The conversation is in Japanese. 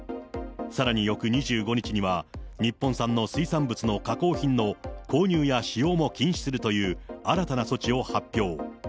さらに翌２５日には、日本産の水産物の加工品の購入や使用も禁止するという、新たな措置を発表。